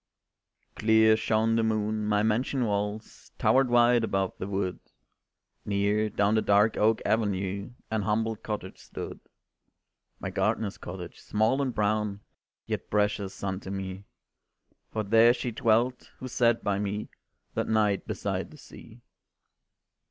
Clear shone the moon, my mansion walls Towered white above the wood, Near, down the dark oak avenue An humble cottage stood. My gardener's cottage, small and brown, Yet precious unto me; For there she dwelt, who sat by me That night beside the sea.